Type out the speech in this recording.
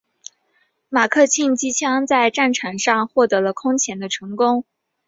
马克沁机枪在战场上获得了空前的成功。